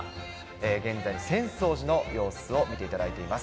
現在の浅草寺の様子を見ていただいております。